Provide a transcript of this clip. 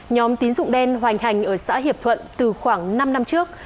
nhóm tín dụng đen hoành hành ở xã hiệp thuận từ khoảng năm năm trước